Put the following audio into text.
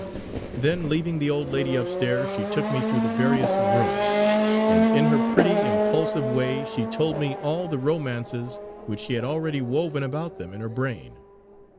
Then, leaving the old lady upstairs, she took me through the various rooms; and in her pretty, impulsive way she told me all the romances which she had already woven about them in her brain.